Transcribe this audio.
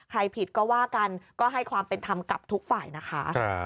ใครผิดก็ว่ากันก็ให้ความเป็นธรรมกับทุกฝ่ายนะคะ